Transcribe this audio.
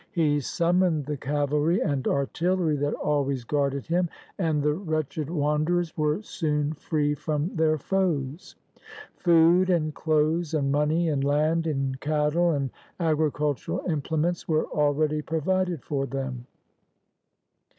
He summoned the cavalry and artillery that always guarded him, and the wretched wanderers were soon free from their foes. Food and clothes and money and land and cattle and agricultural implements were already provided for them.